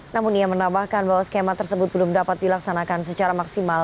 namun ia menambahkan bahwa skema tersebut belum dapat dilaksanakan secara maksimal